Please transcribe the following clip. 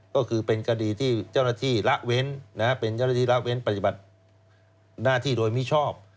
ก็คือเป็นคดีที่เจ้าหน้าที่ละเว้นเป็นเจ้าหน้าที่ละเว้นปฏิบัติหน้าที่โดยมิชอบ